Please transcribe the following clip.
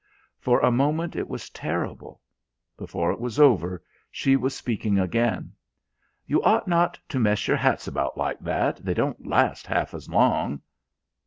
For a moment it was terrible. Before it was over, she was speaking again. "You ought not to mess your hats about like that; they don't last half as long."